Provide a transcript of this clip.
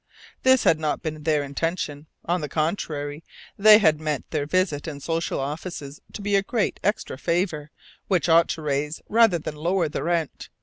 This had not been their intention. On the contrary, they had meant their visit and social offices to be a great, extra favour, which ought to raise rather than lower the rent.